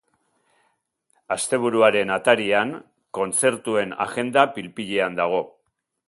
Asteburuaren atarian, kontzertuen agenda pil-pilean dago.